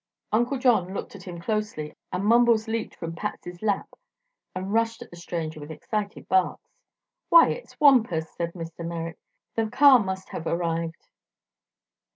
Uncle John looked at him closely and Mumbles leaped from Patsy's lap and rushed at the stranger with excited barks. "Why, it's Wampus," said Mr. Merrick. "The car must have arrived."